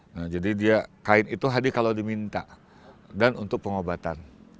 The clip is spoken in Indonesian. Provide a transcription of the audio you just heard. nah kain itu hadir kalau diminta dan untuk pengobatan